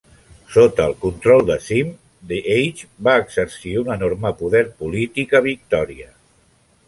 Sota el control de Syme, "The Age" va exercir un enorme poder polític a Victòria.